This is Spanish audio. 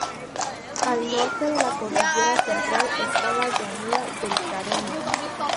Al norte de la Cordillera Central esta la llanura del Caroní.